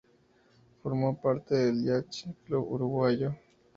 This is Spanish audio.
Formó parte del Yacht Club Uruguayo.